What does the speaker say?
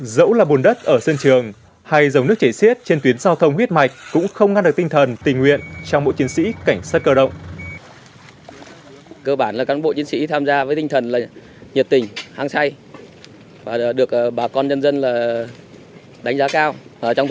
dẫu là bùn đất ở sân trường hay dòng nước chảy xiết trên tuyến giao thông huyết mạch cũng không ngăn được tinh thần tình nguyện trong mỗi chiến sĩ cảnh sát cơ động